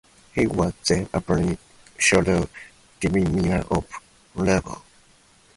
He was then appointed Shadow Deputy Minister of Labour.